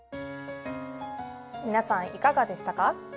皆さんいかがでしたか？